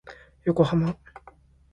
横浜